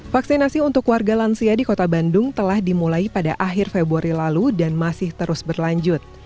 vaksinasi untuk warga lansia di kota bandung telah dimulai pada akhir februari lalu dan masih terus berlanjut